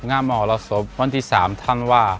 งานมหาวระศพวันที่๓ท่านว่า